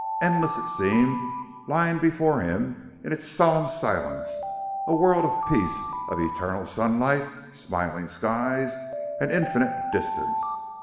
Endless it seemed, lying before him in its solemn silence; a world of peace, of eternal sunlight, smiling skies, and infinite distance.